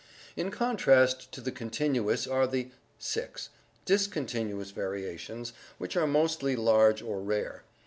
In contrast to the continuous are the (6) discontinuous varia tions, which are mostly large or rare.